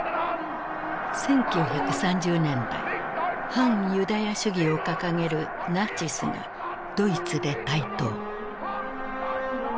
１９３０年代反ユダヤ主義を掲げるナチスがドイツで台頭。